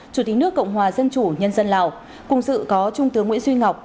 chủ tịch nước cộng hòa dân chủ nhân dân lào cùng sự có trung tướng nguyễn duy ngọc